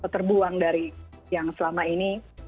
terbuang dari yang selama ini